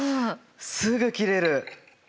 すぐ切れる。